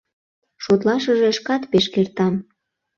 — Шотлашыже шкат пеш кертам!